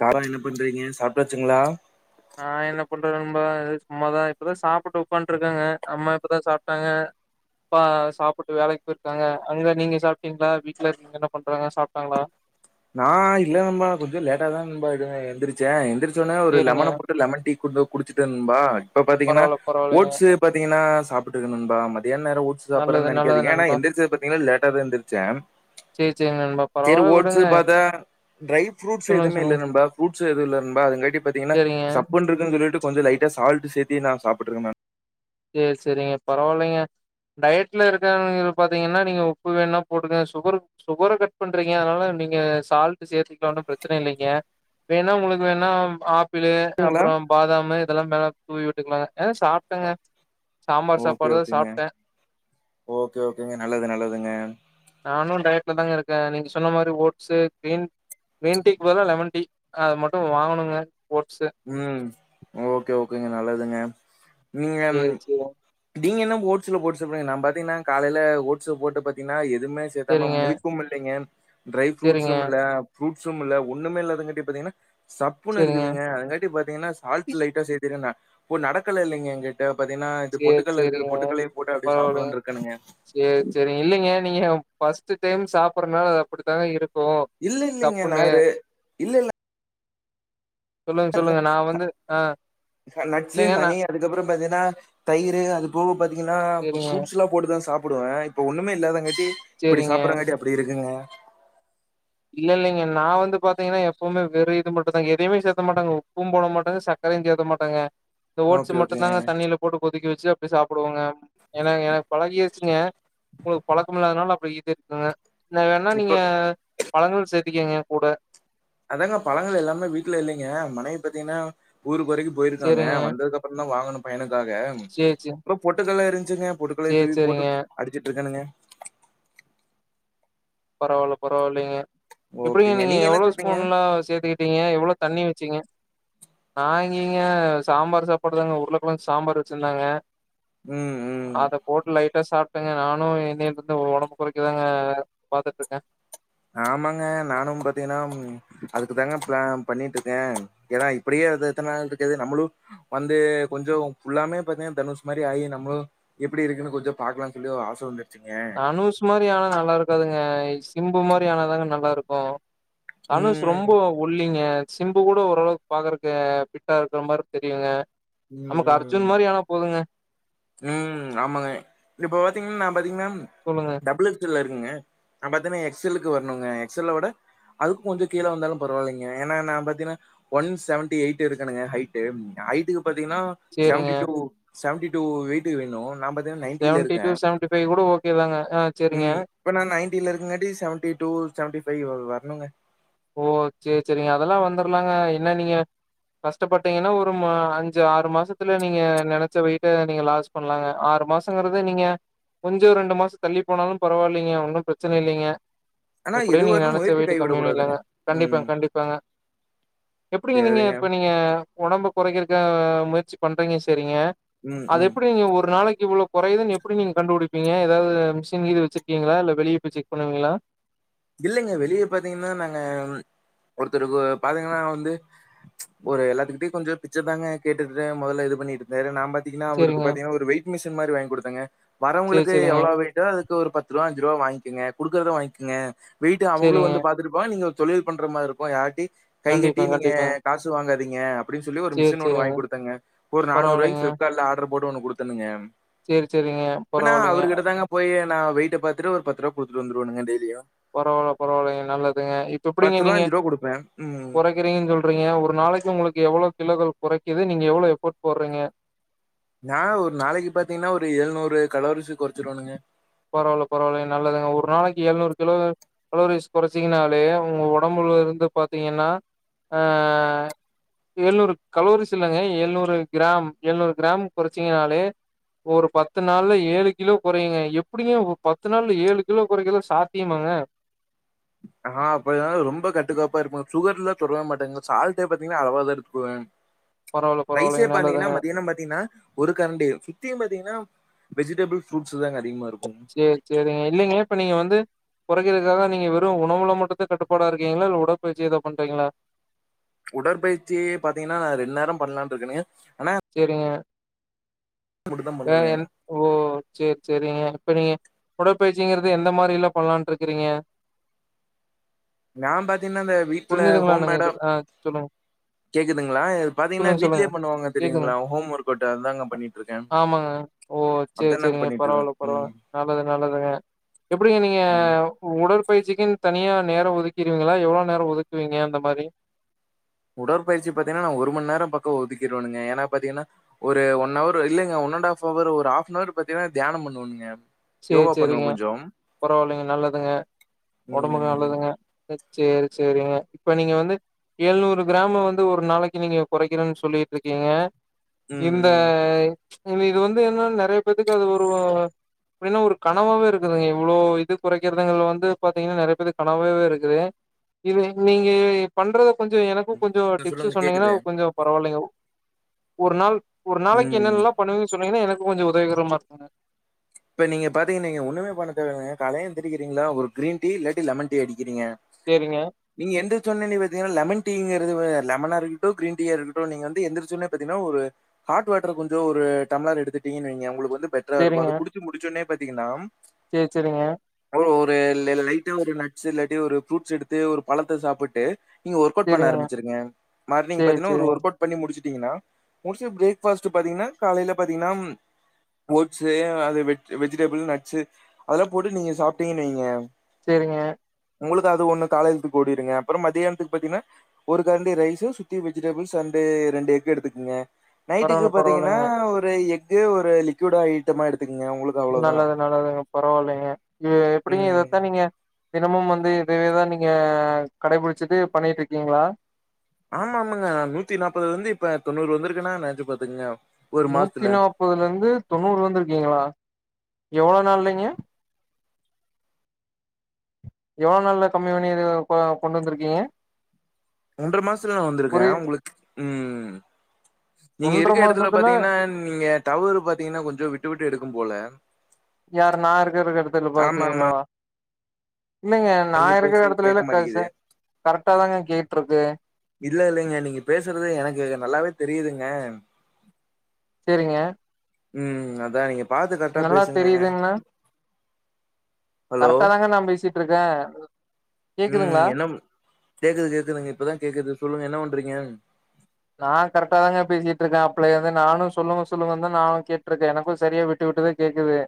காரோ என்ன பண்றீங்க சாப்டாச்சுங்களா ஆ என்ன பண்றது நண்பா சும்மாதா இப்பதா சாப்ட்டு ஒக்கான்ருக்கேங்க அம்மா இப்தா சாப்ட்டாங்க அப்பா சாப்ட்டு வேலைக்கு போயிருக்காங்க அங்க நீங்க சாப்ட்டீங்களா வீட்ல இருக்கங்க என்ன பண்றாங்க சாப்ட்டாங்களா நா இல்ல நண்பா கொஞ்சோ லேட்டா தா நண்பா எழுந்தே எந்தி ந்த எந்திரிச்ச ஒனே ஒரு சேரிங்க லெமன போட்டு லெமன் டீ கொன் குடிச்சிட்டே நண்பா இப்ப பாத்தீங்கன்னா பரவால்ல பரவால்லைங்க ஓட்ஸு பாத்தீங்கனா சாப்ட்டுயிருக்க நண்பா மதியான நேரோ ஓ ட்ஸு நல்லது சாப்றேனு நல்லது நெனைக்காதீங்கா ஆனா நண்பா எந்திருச்சது பாத்தீங்கன்னா லேட்டாதா எந்திரிச்சே ச்சு சேரி சேரி நண்பா சேரி பரவால்ல ஓட் ட்ஸு விடுங்க பாத்தா ட்ரை ஃப்ரூட்ஸ் சொல்லுங்க எதுமே இல்ல சொல்லுங்க நண்பா ஃப்ரூட்ஸ் எது இல்ல நண்பா அதுங்காட்டி பாத்தீங்கன்னா சேரிங்க சப்புன்னு இருக்குன் சொல்லிட்டு கொஞ்சோ லைட்டா சால்ட் சேத்தி நா சப்ட்டுருக்கே நண் சேர் சேரிங்க பரவாயில்லைங்க டயட்ல இருக்கங்கறவங்கள பாத்தீங்கன்னா நீங்க உப்பு வேணா போட்டுகங்க சுகரு சுகர கட் பண்றீங்க அதனால நீங்க சால்ட்டு சேத்துக்கலா ஒன்னு பிரச்சன இல்லைங்க வேணா உங்களுக்கு வேணா ஆப் பில்லு ங்களா அப்புறோ பாதாமு இதெல்லா மேலே தூவி விட்டுக்கலாங்க ஏ சாப்பிட்டாங்க ஓகே ஓகேங்க ஓகே ஓகேங்க நல்லது நல்லதுங்க நானு டயட்ல தாங்க இருக்கேன் நீங்க சொன்ன மாதிரி ஓட்ஸு கிரீன் கிரீன் டீக்கு பதிலா லெமன் டீ அது மட்டு வாங்கணுங்க ஓட்ஸு ம் ஓகே ஓகேங்க நல்லதுங்க நீங்க சேரி சேரிங் நீங்க என்ன ஓடஸ்ல போட்டு சாப்புடுறீங்க நா பாத்தீங்கன்னா காலைய ஓட்ஸூ போட்டு பாத்தீன்னா எதுவுமே எதமா மில்க்கும் இல்லைங்க டிரை சேரிங்க சேரிங்க ஃப்ரூட்ஸும் இல்ல ஃப்ரூட்ஸும் இல்ல ஒன்னுமே இல்லாதங்காட்டி பாத்தீங்கன்னா சப்புன்னு சேரிங்க இருக்குதுங்க இல்லாட்டி பாத்தீங்கன்னா சால்ட் லைட்டா சேத்திருந்தே அப்போ நடக்கல இல்லிங்க எங் க பாத்தீங்கன்னா இது சேரி பொட்டுக்கள இருக்குது சேரிங்க பொட்டுக்கள்ளையு போட்டு அப்டியே பரவால்லைங்க சாப்பட்லானு இருக்கேனுங்க சேரி இல்லைங்க நீங்க ஃபர்ஸ்ட்டு டைம் சாப்பட்றதுனால அது அப்டித்தாங்க இருக் இல்ல இல்லலைங்க நாரு இல்ல இல்ல சொல்லுங்க சொல்லுங்க நா [unintelligible] வந்து ஆ நட்ஸு இல்லைங்க நா ஹனி அதுக்கப்றோ பாத்தீங்கன்னா தயிரு அது போக பாத்தீங்கன்னா சேரிங்க ஃப்ரூட்ஸ்லா போட்டுதா சாப்டுவே இப்ப ஒன்னுமே இல்லாதங்காட்டி இப்டி சேரிங்க சாப்பட்றங்காட்டி அப்டி இருக்குங்க இல்ல இல்லைங்க நா வந்து பாத்தீங்கன்னா எப்பவுமே வெரு இது மட்டு தாங்க எதையுமே சேத்த மாட்டாங்க உப்பு போட மாட்டாங்க சக் கரையு சேத்த மாட்டாங்க இந்த ஓட்ஸ் ஓகே, ஓகேங்க. மட்டுதாங்க தண்ணில போட்டு கொதிக்க வச்சி அப்டியே சாப்புடுவங்க ஏனா எனக்கு பழகிருச்சுங்க ஒங்ளுக்கு பழக்கம் இல்லாதனால அப்டி இது இருக்குங்க இல்ல வேணா இப்ப நீங்க பழங்கள்ங்கள் சேத்திகீங்க கூட அதாங்க பழங்கள் எல்லாமே வீட்ல இல்லைங்க மனைவி பாத்தீங்கன்னா ஊர்க்கு வரைக்கு போயிருக்காங்க சேரிங்க வந்ததுக்கப்றோ ஃபுல்லா வாங்கனு பையனுக்காக சேர் சேர் அப்றோ பொட்டுக்கடல இருந்துச்சுங்க பொட்டுக்கடலய சேர் தூவி போட்டு சேரிங்க அடிச்சிட்டு இருக்கானுங்க பரவால பரவாயில்லைங்க எப்டிங்க ஓகேங்க. நீங்க என்ன எவ்ளோ சாப்ட்டீங்க? ஸ்பூன்லா சேத்துக்கிட் நீங்க எவ்ளோ தண்ணி வச்சீங்க நா எங்கிங்க சாம்பார் சாப்பாடுதாங்க உருளக்கெழங்கு சாம்பார் வச்சிருந்தாங்க ம் ம் அத போட்டு லைட்டா சாப்ட்டேங்க நானு இன்னில இருந்து ஒடம்பு கொறைக்கதாங்க பாத்துட்டுருக்கே ஆமாங்க நானு பாத்திங்னா அதுக்கு தாங்க பிளான் பண்ணிட்ருக்கே ஏனா இப்டியே அது எத்த நாள் இருக்கது நம்மளு வந்து கொஞ்சோ ஃபுல்லாமே பாத்தீங்கன்னா தனுஷ் மாரி ஆகி நம்மளு எப்டி இருக்குனு கொஞ்சோ பாக்லானு சொல்லி ஒரு ஆச வந்துருச்சுங்க தனுஷ் மாரி ஆனா நல்லாருக்காதுங்க சிம்பு மாரி ஆனாதாங்க நல்லாருக்கு தனுஷ் ம். ரொம்போ ஒல்லிங்க சிம்பு குட ஓரளவுக்கு பாக்குறக்கு ஃபிட்டா இருக்கற மாரி தெரியுங்க ம், நமக்கு அர்ஜுன் ம். மாரி ஆனா போதுங்க ம் ஆமாங்க இப்போ பாத்தீங்கன்னா நான் பாத்தீங்கன்னா சொல்லுங்க டபுள் எக்ஸ் எல்ல இருக்குங்க நா பாத்தீன்னா எக்ஸ் எல்லுக்கு வருனுங்க எக்ஸ் எல்ல விட அதுக்கு கொஞ்ச கீழே வந்தாலும் பரவாயில்லைங்க ஏன்னா நா பாத்தீங்கன்னா ஒன் சவன்டி எயிட் இருக்கனுங்க ஹயிட்டு ஹயிட்டுக்கு பாத்தீங்கன்னா சேரிங்க சவன்டி டூ சென்டி டூ வெயிட்க்கு வேணு நான் பாத்தி செவன்டி டூ செவன்டி ஃபைவ் கூட ஓகே தாங்க ஆ செரிங்க ம். இப்ப நான் நைன்ட்டில இருக்கங்காட்டி செவன்டி டூ செவன்டி ஃபைவ் வரனுங்க ஓ சேரி சேரிங்க அதெல்லா வந்துரலாங்க என்ன நீங்க கஷ்டப்பட்டீங்கன்னா ஒரு அஞ்சு ஆறு மாசத்துல நீங்க நனைச்ச வெயிட்ட நீங்க லாஸ் பண்லாங்க ஆறு மாசங்கிறது நீங்க கொஞ்ச ரெண்டு மாசம் தள்ளி போனாலும் பரவாயில்லைங்க ஒன்னு பிரச்சனை இல்லைங்க ஆனா எது எப்படியு நீங்க வரணும் நினைச்ச முயற்சி வெயிட்டு கம்மி கைவிடக்கூடாதுங்க. பண்ணிக்கிலாங்க ம். கண்டிப்பாங்க கண்டிப்பாக எப்படிங்க நீங்க சரிங்க. பண்ணிங்க ஒடம்பு கொறைக்கறக்காக முயற்சி பண்றீங்க செரிங்க ம், அது ம். எப்டி நீங்க ஒரு நாளைக்கு இவ்ளோ கொறையுதுன்னு எப்டி நீங்க கண்டுபிடிப்பீங்க எதாவது மிஷின் கீது வச்சிருக்கீங்களா இல்ல வெளிய போய் செக் பண்ணுவீங்களா இல்லைங்க வெளிய பாத்தீங்கன்னா நாங்க ஒருத்தருக்கு பாத்தீங்கன்னா வந்து ஒரு எல்லாத்துக்கிட்டயு கொஞ்சோ பிச்ச தாங்க கேட்டுட்டு மொதல இது பண்ணிட் வேற நா பாத்தீங்கன்னா அவுருக்கு சேரிங்க பாத்தீங்கன்னா ஒரு வெய்ட் மிஷின் மாரி வாங்கி குடுத்தேங்க சேரி வரவங்களுக்கு சேரிங்க எவ்ளோ வெயிட் ட்டோ அதுக்கு ஒரு பத்ருவா அஞ்ருவா வாங்கிங்க குடுக்கறத வாங்கிங்க வெயிட்டு அவுங்களு சேரிங்க வந்து பாத்துட்டு போவா நீங்க ஒரு தொழில் பண்ற மாரி இருக்கு யார்டி கை கட்டி கண்டிப்பா நீங்க கண்டிப்பா காசு வாங்காதீங்க அப்படின்னு சொல்லி ஒரு சேரி மிஷின் ஒண்ணு சேரிங்க வாங்கி் குடுத்தங்க ஒரு நானூறு ரூவாய்க்கு பரவாயில்லைங்க ஃபிளிப்கார்ட்ல ஆர்டர் போட்டு ஒண்ணு குடுத்துனனுங்க சேரி சேரிங்க இப்ப நா பரவாயில்லைங்க அவரு கிட்டத்தாங்க போய் நா வெயிட்ட பாத்துட்டு ஒரு பத்து ரூபா குடுத்துட்டு வந்துருவேனுங்க டெய்லியு பரவால்ல பரவாயில்லைங்க நல்லதுங்க இப் பத்து ரூவா அஞ்சு ரூவா குடுப்பேன் ம் இருக்குறீங்க சொல்றீங்க ஒரு நாளைக்கு உங்களுக்கு எவ்வளோ கிலோகள் குறைக்குது நீங்க எவ்ளோ எஃபோர்ட் போடுறீங்க நா ஒரு நாளைக்கு பாத்தீங்கன்னா ஒரு எழுநூறு கலோரீஸ் கொறைச்சிடு வேணுங்க பரவால்ல பரவால்ல நல்லதுங்க ஒரு நாளைக்கு எழுநூறு கிலோ கலோரிஸ் குறைச்சீங்கனாலே உங்க உடம்புல இருந்து பாத்தீங்கன்னா ஆ எழுநூறு கலோரிஸ் இல்லங்க எழுநூறு கிராம் எழுநூறு கிராம் குறைச்சீங்கனாலே ஒரு பத்து நாள்ல ஏழு கிலோ கொறையுங்க எப் எப்படிங்க ஒரு பத்து நாள்ல ஏழு கிலோ குறைக்கலா சாத்தியமாங்க ஆ அப்படிதாங் ரொம்ப கட்டுக்கோப்பா இருப்பே சுகர் எல்லா தொடவே மாட்டேங்க சால்ட்டே பாத்தீங்கன்னா அளவா தா எடுத்துக்குவே பரவால்ல ரைஸே பரவால்லைங்க பாத்தீங்கன்னா நல்லதுங்க மத்தியானம் பாத்தீங்கன்னா ஒரு கரண்டியு சுத்தியும் பாத்தீங்கன்னா வெஜிடபிள் ஃப்ரூட்ஸ் தாங்க அதிகமா இருக்கும் சேர் சேரிங்க இல்லைங்க இப்ப நீங்க வந்து குறைக்கிறதுக்காக நீங்க வெறு உணவுல மட்டுந்தா கட்டுப்பாடா இருக்கீங்களா இல்ல உடற்பயிற்சி எதா பண்றீங்களா உடற்பயிற்சி பாத்தீங்கன்னா நா ரெண்டு நேர பண்ணலான் இருக்கேனுங்க ஆனா செரிங்க மட்டும் தான் வேற பண்ணுவேன். என் ஓ சேர் சேரிங்க இப்ப நீங்க உடற்பயற்ச்சிங்கிறது எந்த மாரி எல்லா பண்லான்ட்டு இருக்குறீங்க நா பாத்தீங்னா இந்த வீட்டுல புரிஞ்சுதுங்களா ஹோம் நீங்க மேடம் ஆ சொல்லுங்க கேக்குதுங்ளா இது பாத்தீங்னா சொல்லுங்க சொல்லுங்க வீடலயே பண்ணுவாங்க கேக்குதுங்க சரிங்களா ஹோம் ஒர்க்அவுட்டு அத்தாங்க பண்ணிட்ருக்கே ஆமாங்க அத்த நா பண்ணிட்ருக்க அப்பரோ நல்லது நல்லதுங்க எப்படிங்க நீங்க ம். உடற்பயிற்சிக்குனு தனியா நேரொ ஒதுக்கிடுவீங்களா எவ்ளோ நேரோ ஒதுக்குவீங்க அந்த மாரி உடற்பயிற்சி பாத்தீங்னா நா ஒரு மணி நேரபக்கம் ஒதிக்கிருவனுங்க ஏனா பாத்தீங்கன்னா ஒரு ஒன்னவர் இல்லங்க ஒன் அண்ட்டாப் அவர் ஒரு ஹாப்நார் பாத்தீங்னா தியானம் பண்ணுவனுங்க சேரி யோகா பண்ணுவ செரிங்க கொஞ்சோ பரவால்லங்க நல்லதுங்க ஒடம்புக்கு ம் நல்லதுங்க சேரி செரிங்க இப்ப நீங்க வந்து ஏழ்நூறு கிராம் வந்து ஒரு நாளைக்கு நீங்க கொறைக்கிறன்னு சொல்லிட்ருக்கீங்க ம் இந்த ம் இது வந்து என்னன்ன நெறைய பேத்துக்கு அது ஒரு அப்டின்னா ஒரு கனவாவே இருக்குதுங்க இவ்ளோ இது கொறைக்கிறதுங்கல வந்து பாத்தீங்கன்னா நெறைய பேத்துக்கு கனவாவே இருக்குது இது நீங்க பண்றத கொஞ்ச எனக்கும் கொஞ்சொ டிப்ஸ்ஸு சொல்லுங்க சொன்னீங்கன்னா கேக்குது கொஞ்சொ பரவாயில்லைங்க ஒரு நாள் ஒரு நாளைக்கு ம் என்னன்னலா பண்ணுவன்னு சொன்னீங்கன்னா எனக்கு கொஞ்ச உதவிகரமா இருக்குங்க இப்ப நீங்க பாத்தீங்க நீங்க ஒண்ணுமே பண்ண தேவயில்லங்க காலை எந்திருக்கிறீங்களா ஒரு க்ரீன் டீ இல்லாட்டி லெமன் டீ அடிக்கிறீங்க சேரிங்க நீங்க எந்திருச்சொனே நீ பாத்தீங்கன்னா லெமன் டீங்கிறது அ லெமனா இருக்கட்டு க்ரீன் டீயா இருக்கட்டு நீங்க வந்து எந்திரச்சொன்னே பாத்தீன்னா ஒரு ஹாட் வாட்டர் கொஞ்சோ ஒரு டம்ளர் எடுத்துட்டீங்கன்னு வைங்க ஒங்களுக்கு வந்து பெ ட்டரா இருக்கு அத குடிச்சு முடிச்சொன்னே பாத்தீங்கன்னா சேர் செரிங்க அப்ற ஒரு ல ல லைட்டா ஒரு நட்ஸ் இல்லாட்டி ஒரு ஃப்ரூட்ஸ் எடுத்து ஒரு பழத்த சாப்புட்டு நீங்க ஒர்க்கவுட் பண்ண சேரிங்க ஆரம்பிச்சிருங்க மார்னிங் சேரி பாத்தீன்னா ஒரு சேரிங்க ஒர்க்கவுட் பண்ணி முடிச்சுட்டீங்கன்னா முடிச்சு பிரேக் பாஸ்ட் பாத்தீங்னா காலையில பாத்தீங்னா ஓட்ஸ்ஸு அது வெஜிடபிள் நட்ஸு அதெல்லா போட்டு நீங்க சாப்ட்டீங்கன்ன வைங்க சேரிங்க உங்களுக்கு அது ஒண்ணு காலையழுத்துக்கு ஓடிருங்க அப்பறம் மத்தியானத்துக்கு பாத்தீங்னா ஒரு கரண்டி ரைஸ்ஸு சுத்தி வெஜிடபிள்ஸ் அண்டு ரெண்டு எஃகு எடுத்துக்குங்க நைட்டுக்கு பரவால்ல பாத்தீங்கன்னா பரவால்லைங்க ஒரு எஃக்கு ஒரு லிக்கூவிட் ஐட்டமா எடுத்துக்குங்க உங்களுக் ம் நல்லது நல்லதுங்க பரவால்லைங்க எ எப்படிங்க ம். இதத்தா நீங்க தினமும் வந்து இதவே தா நீங்க கடைப்புடிச்சிட்டு பண்ணிட்ருக்கீங்ளா ஆமா ஆமாங்க நூத்தி நாப்பதுலருந்து இப்ப தொண்ணூறு வந்துருக்குன்னா நனச்சி பாத்துக்குங்க நூத்தி நாப்பதுலருந்து தொண்ணூறு வந்துருக்கீங்களா எவ்ளோ நாள்லைங்க எவ்ளோ நாள்ல கம்மி பண்ணி இத ப கொண்டு வந்துருக்கீங்க ஒன்ற மாசத்துல நா வந்திருக்க ஒங்களுக் ம் நீங்க ஒன்ற இருக்குற எடத்துல மாசத்துல பாத்தீங்கன்னா இங்க டவரு பாத்தீங்கன்னா கொஞ்சோ விட்டு விட்டு எடுக்கும்போல யாரு நா இருக்குறகெடத்துல ஆமா ஆமா பாத்தீங்கன்னாவா இல்லங்க நா நீங்க இருக்கிற பேசுறது கேக்க மாட்டேங்குது எடத்துலல்லா [unintelligible] கரெட்டா தாங்க கேட்ருக்கு இல்ல இல்லங்க நீங்க பேசுறது எனக்கு நல்லாவே தெரியுதுங்க சேரிங்க ம் ம் அதா நீங்க பாத்து கரெக்டா நல்லா பேசுங்க தெரியுதுங்ண்ணா க கரெட்டாதாங்க நா பேசிட்ருக்க ம் என்ன கேக்குது கேக்குதுங்க இப்பதா கேக்குது சொல்லுங்க என்ன பண்றீங்க நா கரெட்டாதாங்க பேசிட்டுருக்க அப்லேருந்து நானு சொல்லுங்க சொல்லுங்க தா நானு கேட்ருக்க எனக்கு சரியா விட் விட்டு விட்டுதா கேக்குது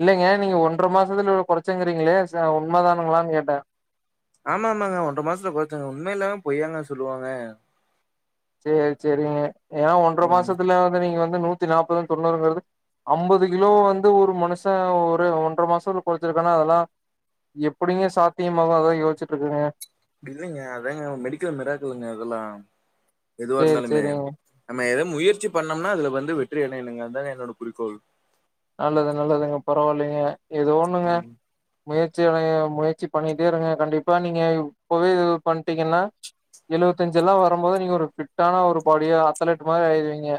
இல்லைங்க நீங்க ஒன்ற மாசத்துல இவ்ளோ கொறைச்சங்கிறீங்களே ச உண்மதானுங்களான்னு கேட்டே ஆமா ஆமாங்க ஒன்ற மாசத்துல கொறைச்சேங்க உண்ம இல்லாம பொயாங்க சொல்லுவாங்க சேர் சேரிங்க ஏன்னா ஒன்ற ம் மாசத்துல வந்து நீங்க வந்து நூத்தி நாப்பது தொண்ணூறுங்கிறது அம்பது கிலோ வந்து ஒரு மனுஷ ஒரு ஒன்ற மாசத்துல கொறச்சிருக்கன்னா அதெல்லா எப்பிடிங்க சாத்தியமாவு அதா யோசிச்சுட்டுருக்கேங்க இல்லைங்க அதாங்க மெடிக்கல் மிரக்கலுங்க அதெல்லா எதுவா சேரி இருந்தாலுமே சேரிங்க நம்ம எதுவு முயற்சி பண்ணோம்னா அதுல வந்து வெற்றி அடையுனுங்க அதாங்க என்னோட குறிக்கோள் நல்லது நல்லதுங்க பரவாயில்லைங்க எதோ ஒன்னுங்க முயற்சி அடைய முயற்சி பண்ணிட்டேயிருங்க கண்டிப்பா நீங்க இப்பவே இவ் பண்ட்டீங்கன்னா எழுவத்தஞ்செல்லா வரும்போது நீங்க ஒரு ஃபிட்டான ஒரு பாடியா அத்லெட் மாரி ஆயிருவீங்க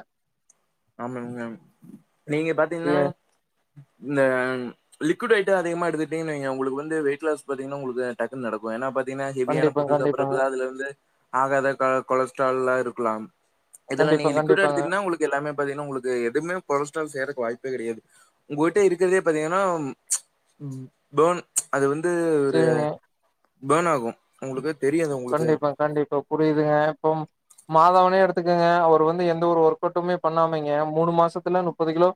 ஆமாங்க நீங்க சே பாத்தீங்கன்னா இந்த லிக்விட் ஐட்ட அதிகமா எடுத்துட்டீங்கன்னு வைங்க ஒங்களுக்கு வந்து வெயிட் லாஸ் பாத்தீங்கன்னா ஒங்களுக்கு டக்குன்னு நடக்கு ஏன்னா பாத்தீங்கன்னா ஹெவியான கண்டிப்பா ஃபுட்டு கண்டிப்பாங்க சாப்புட்றப்ப அதுலருந்து ஆகாத க கொலஸ்ட்ரால்லா இருக்கலா இதெல்லா கண்டிப்பா நீங்க லிக்விடா கண்டிப்பாங்க எடுத்தீங்கன்னா உங்களுக்கு எல்லாமே இப்ப பாத்தீங்கன்னா உங்களுக்கு எதுமே கொலஸ்ட்ரால் சேறக்கு வாய்ப்பே கெடையாது உங்ககிட்ட இருக்கறதே பாத்தீங்கன்னா ம் பேர்ன் அது வந்து ஒரு சேரிங்க பேர்ன் ஆகும் உங்களுக்கே தெரியாது உங்களுக்கு கண்டிப்பா கண்டிப்பா புரியுதுங்க இப்போ மாதவனே எடுத்துக்கங்க அவர் வந்து எந்த ஒரு ஒர்க் அவுட்டுமே பண்ணாமெங்க மூணு மாசத்துல முப்பது கிலோ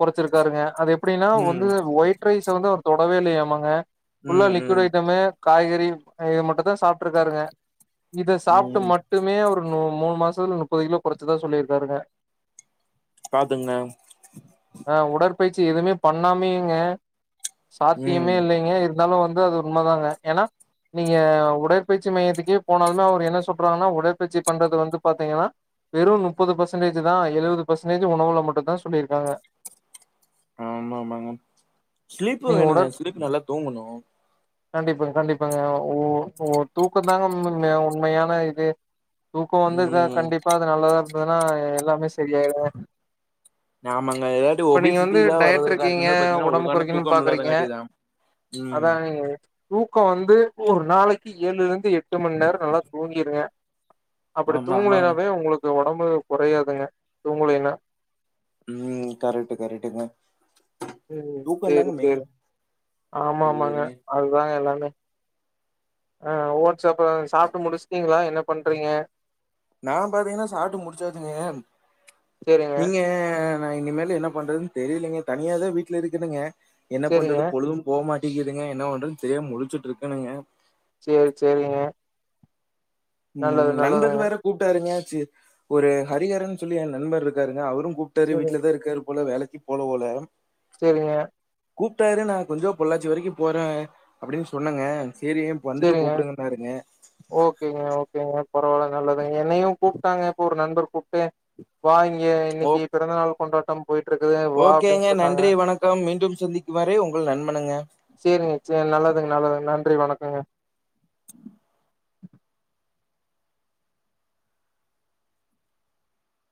கொறச்சிருக்காருங்க அது எப்டின்னா வந்து ம் ஒயிட் ரைஸ்ஸ வந்து அவர் தொடவே இல்லையாமாங்க ஃபுல்லா ம் லிக்விடு ம் ஐட்டமு காய்கறி அ இது மட்டுந்தா சாப்ட்ருக்காருங்க இத சாப்ட்டு ம் மட்டுமே ணு மூணு மாசத்துல முப்பது கிலோ கொறச்சதா சொல்லிருக்காருங்க பாத்துங்க ஆ உடற்பயிற்சி எதுவுமே பண்ணாமேங்க ம் சாத்தியமே இல்லைங்க இருந்தாலு வந்து அது உண்ம தாங்க ஏன்னா நீங்க உடற் பயிற்சி மையத்துக்கே போனாலுமே அவர் என்ன சொல்றார்னா உடற்பயிற்சி பண்றது வந்து பாத்தீங்கனா வெறு நுப்பது பெர்சன்டேஜ் தா எழுவது பெர்சன்டேஜ் உணவுல மட்டுந்தா சொல்லிருக்காங்க ஆமா ஆமாங்க ஸ்லீப்பு வேணுங்க ஸ்லீப் நல்லா தூங்கணு கண்டிப்பாங்க கண்டிப்பாங்க ஒ ஒ தூக்க தாங்க உண் உண்மையா உண்மையான இதே தூக்க வந்துட்டா ம் கண்டிப்பா அது நல்லதா இருந்ததுன்னா எல்லாமே செரியாயிடு ஆமாங்க இல்லாட்டி இப்ப நீங்க வந்து ஒபிசிட்டிலா டயட் வர்றதுக்கு இருக்கீங்க காரணமே பாத்தீங்கன்னா ஒடம்ப ஒழுங்கான கொறைக்கணுன் தூக்கம் பாக்குறீங்க இல்லாதங்காட்டிதா ம் அதாங்க நீங்க தூக்க வந்து ஒரு நாளைக்கு ஏழுலருந்து எட்டு மண் நேர நல்லா தூங்கிருங்க அப்படி ஆமா ஆமாங்க தூங்கலைனாவே ஒங்களுக்கு ஒடம்பு கொறையாதுங்க தூங்குலைனா ம் கரெக்ட்டு கரெக்ட்டுங்க ம் தூக்கந்தாங்க சேரி மெயினு சேரி ஆமா ஆமாங்க சேரிங்க அது தாங்க எல்லாமே ஆ ஓட்ஸ் அப்புறோ சாப்ட்டு முடிச்சுட்டீங்களா என்ன பண்றீங்க நா பாத்தீங்கன்னா சாப்ட்டு முடிச்சாசுங்கேன் சேரிங்க நீங்க நா இனிமேலு என்ன பண்றதுன்னு தெரிலீங்க தனியா தா வீட்ல இருக்குறங்க என்ன சேரிங்க பண்றது பொழுதும் போ மாட்டேங்கிதுங்க என்ன பண்றதுன் தெரியாம முழிச்சுட்டு இருக்கனுங்க சேரி சேரிங்க நல்லது ம் நண்பர் நல்லதுங்க வேற கூப்ட்டாருங்க சேரி ஒரு ஹரிகரன்னு சொல்லி என் நண்பர் இருக்காருங்க அவரும் கூப் டாரு சேரிங்க வீட்ல தா இருக்காரு போல வேலைக்கு போல போல செரிங்க கூப்ட்டாரு நா கொஞ்சோ பொள்ளாச்சி வரைக்கு போறே அப்டின்னு சொன்னங்க சேரி வந்துட்டு சேரிங்க கூப்புடுங்ன்னாருங்க ஓகேங்க ஓகேங்க பரவால நல்லதுங்க என்னையு கூப்ட்டாங்க இப்ப ஒரு நண்பர் கூப்ட்டு வா இங்க ஓ இன்னைக்கி பிறந்த நாள் கொண்டாட்டம் போய்ட்டு இருக்குது ஓகேங்க நன்றி வணக்கம் மீண்டும் சந்திக்கு வரை உங்கள் நண்பனுங்க சேரிங்க சேர் நல்லதுங் நல்லதுங்க நன்றி வணக்கொங்க